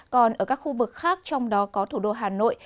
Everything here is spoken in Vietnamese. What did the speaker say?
còn ở các khu vực khác trong đó có thủ đô hà nội